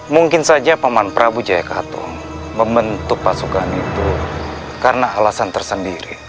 mungkin saja paman prabu jaya kato membentuk pasukan itu karena alasan tersendiri